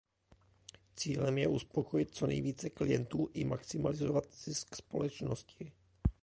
Cílem je uspokojit co nejvíce klientů i maximalizovat zisk společnosti.